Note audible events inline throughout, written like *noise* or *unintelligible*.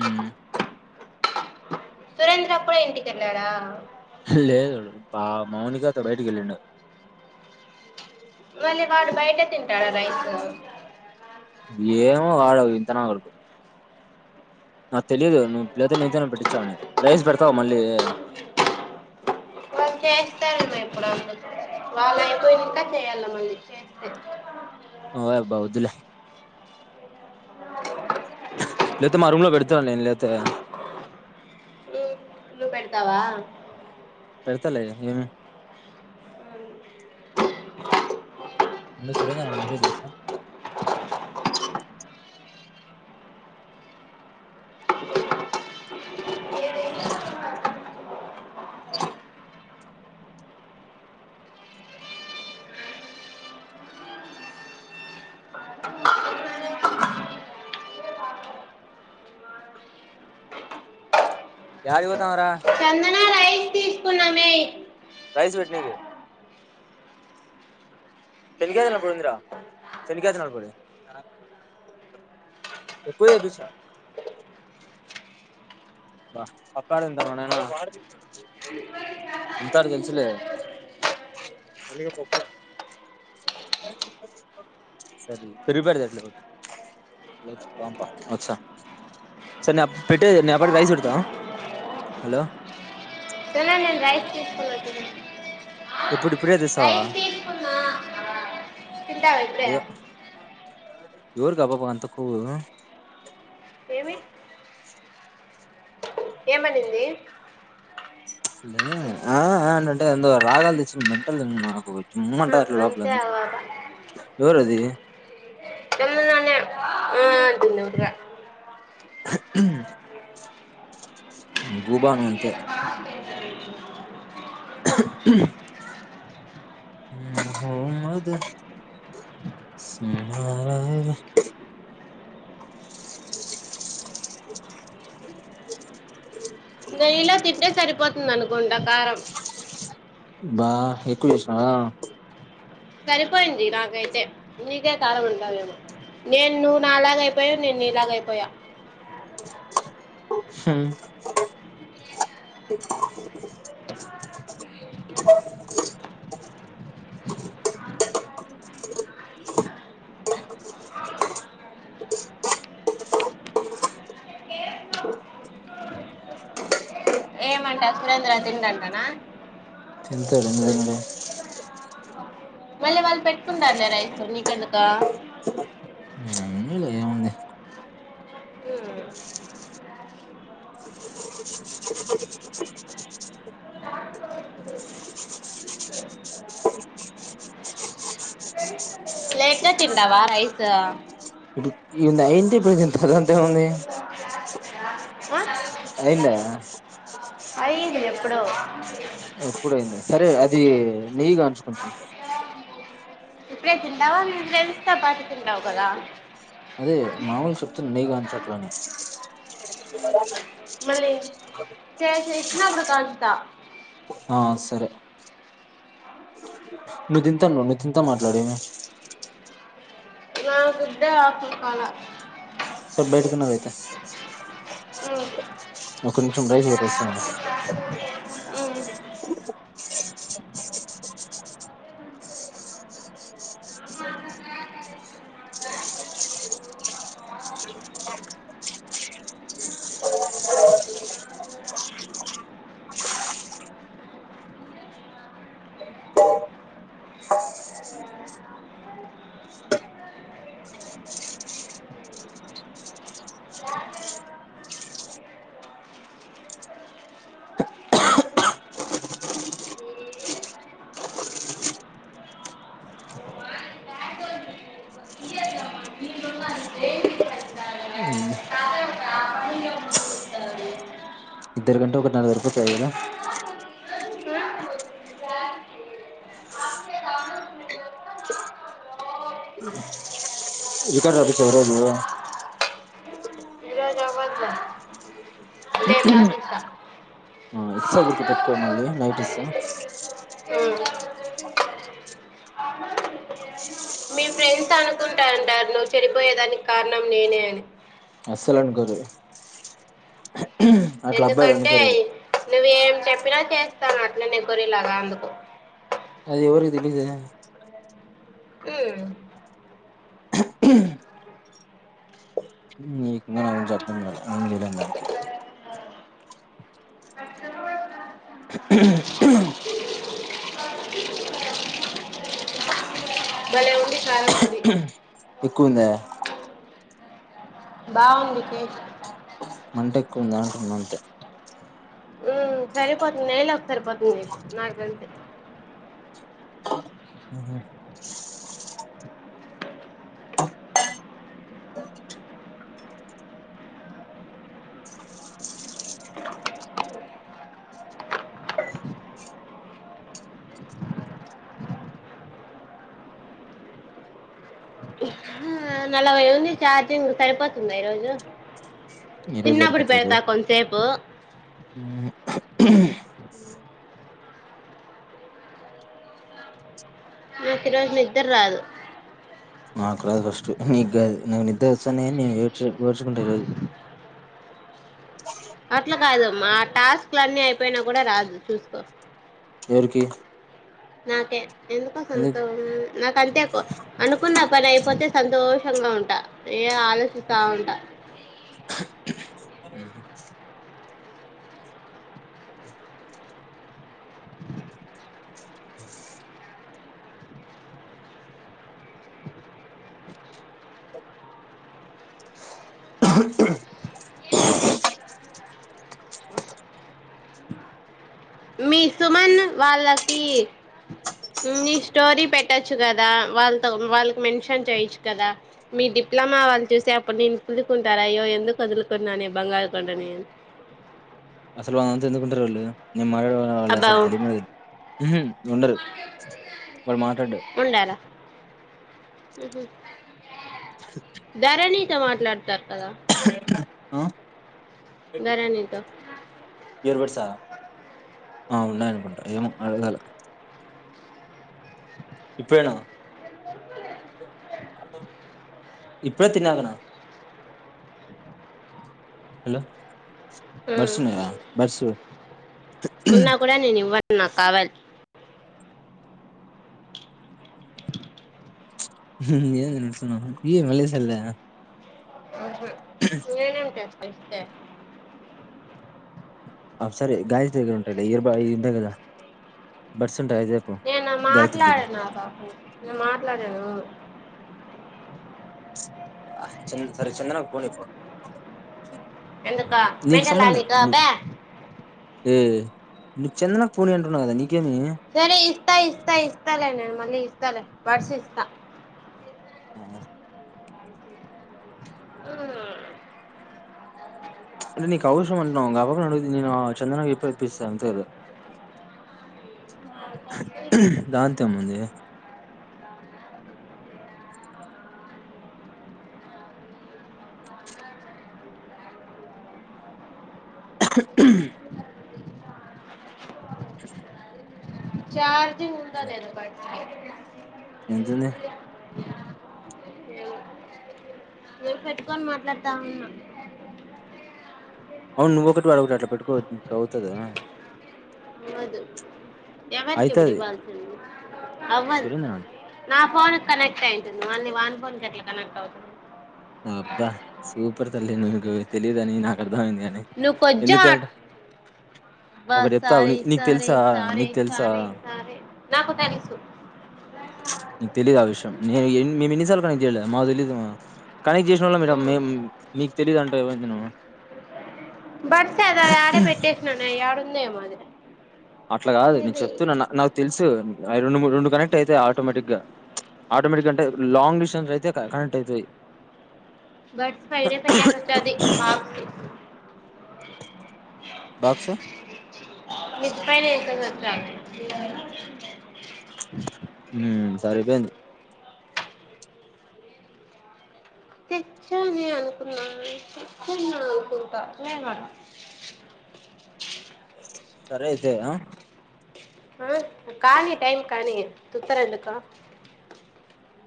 హ్మ్ సురేంద్ర కూడా ఇంటికిన్నాడా లేదు బ మౌనికాతో బయటికి వవెళ్ళిండు మళ్ళ వాడు బయట తింటాడా రైస్ ఏమ వాడంది ఎత్తనగుర్కు నాకు తెలిలీదు నువ్వు పిలయితే నంతేనే పెట్టించావుని రైస్ పెడతావు మళ్ళీ అప్పుడ వాలయియి నిక అల మల్ చే ఓ బాధల లేపోతే మా రూమ్ లో పెడుతున్నా నేను లేతే లు పెడతావా పెడతలే ఏమ అ సురేంద మెసేజ్ చేసా ఎటికి పోతున్నావ్రా చందనారయ ప్రైస్ పెెట్నిక పెన్కాదులప్పుడుందరా పెన్కాద నలప్పుడు ఎక్కువే ఎ బ పక్క ఎంతా మననా ఎంతారు తెలుసులే సపచ్చ స పెట్టే న అటిసి హలో ప్రైస్ తీసుకోనీ ఎప్పుడుప్పుడే తెసావా తింటావా ఇప్పుడే ఎవరు కా బాబా అంత కొవ్ ఏమి ఏం అనింది లే ఏ ఏంటంటే ఎ రాగాలు తెసి మెంటల్ నాకు కొం మమంట హ, అట్ లోపల అంతే అవ్వక ఎవరు అది పన్నడుగా గుబాను అంతే మహమద సారజ లా తింటే సరిపోతే ఉంటుంది అనుకుంటా కారం బా ఎక్కువ చేసేనవ సరిపోయింది నాకైతే నీకే కాలం ఉంటావేమో నేను నువ్వు నాలాగ అయిపోయా నే నీలాగ అయిపోయా హు శమేంద్ర తిన దంటనా ఎంతే మళ్ళీ వాళ్ళు పెట్టుకుంటారులే రైసు నీకందుక నీలే ఏముంది పెట్టతిండవా రైస్ ఈ నైన్టీ పర్సెంట్ అదంతే ఉంది ఆ అయిదు ఎప్పుడు ఎప్పుడైంది సరే అది నెయ్యిగా ఉంచు కొంచెం ఇప్పుడే తింటావా మీ ఫ్రెండ్స్ తో పాటు తింటావు కదా అదే మామూలు శక్తు నగాన్ చ చెను మళ్ళీ చేస ఇ చినప్పుడుకాజతా ఆ సరే నువ్వు తింతా నువ్వు నువు తింతా మాట్లాడేవి నాకు ఇద్దే ఆసల కాాల స బేడ్కిన్నాదైతే అ ఒక నిమిషం రైస్ పెట్టొస్తా ఉండు అవు నిరోధవద్దు. ఇద్దరు కంటే ఒక నాలుగు వరపా కదా రికార్డ్ రఫష్వరేరు రేపు రాసిస్తా. ఆ ఇస్సా గుడిక పెట్టుకో మళ్ళీ నైట్ ఇస్సా ఉమ్. మీ ఫ్రెండ్స్ అనుకుంటాంటారు నువ్వు చెనిపోయేదానికి కారణం నేనే అని సలం గ అట్లా అబ్బాయిలు అనుకోరరు నువ్వ ఏం చెప్పినా చేస్తాను అట్లనే గురలాగా అందుకు అది ఎవరికి తెలిద ఆ నీకు ఇంకా నా గురించి అర్థం కాల ఏం చేయని దానికి అ భలే ఉంది కారం పొడి ఎక్కువంద బాగుందిక మంట ఎక్కువ ఉంది అంటుంది అంతే హ్మ్. సరిపోతుంది నైళ ఒక సరిపోతుంది నకు నాలు గంటే ఆహ ఆ నలభై ఉంది చఛార్జింగ్ సరిపోతుంది ఈ రోజు ఈ రోజు చిన్నప్పుడి సరిపోతది పెడుతా కొంచసేపు నాకు ఈ రోజు నిద్దరు రాదు నాకు రాదు ఫస్ట్ నీకు కాదు నాకు నిద్ర వస్తా న నేనుేడ్చుకుంటే ఈ రోజు అట్లా కాదు మా టాస్క్ లన్ని అయిపోయినా కూడా రాదు చూసుకో ఎరికిీ నాకే ఎందుకో సంతోష నాక అంతే అనుకున్నా పని అయిపోతే సంతోషం గా ఉంటా ఏ ఆలోచిస్తావుంట అ మీ సుమన్ వాళ్ళకి స్టోరీ పెట్టచ్చు కదా వాళ్ళతో వాళ్ళకి మెన్షన్ చేయొచ్చు కదా మీ డిప్లొమా వాళ్ళు చూసే అప్పుడు నేను కుదుకుంటారా అయ్యో ఎందుకు వదులుకున్నాను బంగారు కొ నేను వాంత ఎందుకుంటారు వాళ్ు నేను మాట్లాడ వాళ్ళు అబ్బా అసలు తెలియదు ఉండరు వాళ్ళు మాట్లాడ్డా ఉండాలా ఉహు ధరణితో మాట్లాడతారు అదా ఆ ఎవరు సార్ ఆ ఉన్నాయి అనుకుంటా ఏమో అడగాల ఇప్పుడే నా అ ఇప్పుడే తిన్నా కదా హలో ఉమ్ బస్సు ఉన్నదా బస్సు ఉన్నా కూడా నేను ఇవ్వను నాకు కావాలి హ ఏం నడసన్నా ఈయ మలేసల్ ఆహా నేనేం చేస్ ఇస్తే ఆ సరే గాయత్రి దగ్గర ఉంటాయి లే ఇయర్ బర్డ్స్ ఏ కదా ఉంటాయి అవి తేపో ఏ నా గాయత్రి మాట్లాడే దగ్గర నా పాప మాట్ మాట్లాడను ఆ చంద సర చందనంగా పోని పో ఎందుక మెంటల నీకు నువ్వు పా ఏ నువ్ చెందనకు పోనీ అంటున్నావు కదా నీకు సరే ఇస్తా ఇస్తా ఇస్తా లేనా మల్లి ఇస్తాలే బడ్స్ ఇస్తా ఆ అవు అంటే నీకు అవసరం అంటున్నా ఆ పాప నడుగుంది నేను చందన ఎప్ప ఇప్పిస్తా అంతే కదా త దాంత అమ్మంది చార్ ఉందొ లేదో బట్ ఎంతుంది నేను పెట్టుకొని మాట్లాడతా ఉన్నా అవును నువ్ ఒకటి వాడ ఒకటి అట్లా పెట్టుకో అవుతదా అవ్వదు ఎవరికి ఇప్పుడ అయితది ఇవ్వాల్సింది అవ్వదు సురేంద్రన్ నా పోన కనెక్ట్ అయింటుంది మల్లీ వాన్ ఫోన్ క ఎట్లా కనెక్ట్ అవుతుంది అబ్బా సూప్ సూపర్ తల్లీ నీకు తెలియదని నా అయింది గాని నువ్వు కొంచెం ఎందుకంటే అబ్బా ఒకటి చెప్తా సారీ నీకు సారీ తెలుసా సారీ నీకు తెలుసా సారీ సారీ నాకు తెలుసు నీకు తెలీదు ఆ విషయం నేను మేం ఎన్నిసార్లు ఇళ మాదల్ మా కనెక్ట్ చేసిన వాళ్లం మేడం మేం మీకు తెలీయదు అం సవంది ను బడ్స్ అద అది ఆడే పెట్టే నన్న ఎడుందే మాదిరి అట్లా కాదు నేను చెప్తూ నాకు తెలుసు రెండు రెండు కనెక్ట్ ఇతయి ఆటోమేటిక్ గా ఆటోమేటిక్గా అంటే లాంగ్ డిస్టెన్స్ అయితే కనెక్ట్ అవుతంది బర్డ్స్ పైడ సట్టేస్ వచ్చ అది మాక్స్ బాక్స మిద్ది పైన వేసేసి వచ్చారు పిల్లొలు సరిపోయింది తెచ్చని అనుకున్నాను తెచ్చున్న అనుకుంటా సరే అయితే ఆ ఆ కానీ టైం కానీ తుత్తరా ఎందుకో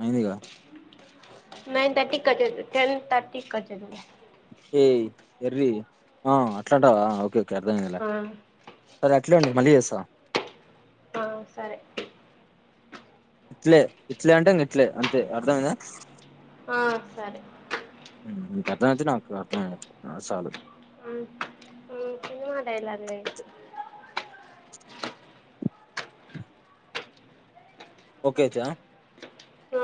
అయిందిగా nine thirty attend ten thirty కి *unintelligible* ఏయ ఎర్రి ఆ అట్లాంటావా ఓకే అర్థం అయ్యింది లే ఆ, అట్లే ఉండు మళ్ళీ చేస్త ఆ సరే ఇట్లే ఇట్లే అంటే ఇట్లే అంతే అర్ధం అయ్యిందా ఆ సరే అర్థ నాకు అర్థ సాలలు సినిమా డైలాగులు వేయకు ఒకే *unintelligible* ఆ